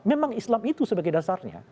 memang islam itu sebagai dasarnya